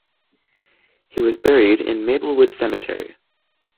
He was buried in Maplewood Cemetery.